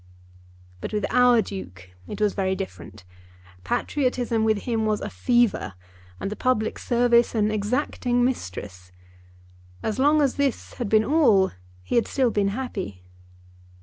But with our Duke it was very different. Patriotism with him was a fever, and the public service an exacting mistress. As long as this had been all he had still been happy.